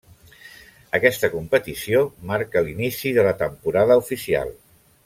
Aquesta competició marca l'inici de la temporada oficial.